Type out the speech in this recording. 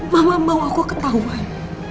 mama mau aku ketahuan